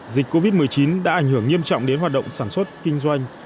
dịch covid một mươi chín đã ảnh hưởng nghiêm trọng đến hoạt động sản xuất kinh doanh